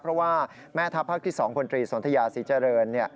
เพราะว่าแม่ทัพภาคที่๒พลตรีสนทยาศรีเจริญ